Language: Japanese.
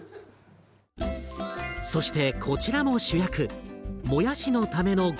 そしてこちらも主役！